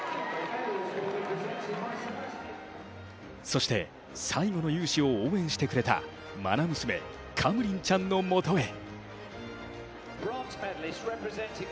そして最後の雄姿を応援してくれたまな娘、カムリンちゃんのもとへ。